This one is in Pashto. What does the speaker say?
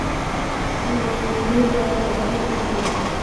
بوزه په غره کې ځي.